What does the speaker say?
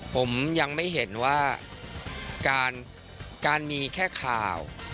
ผมยังไม่เห็นว่าการมีแค่ข่าว